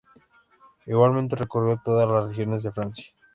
Igualmente recorrió todas las regiones de Francia.